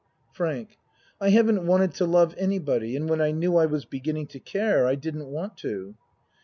FRANK I haven't wanted to love anybody and when I knew I was beginning to care I didn't want to.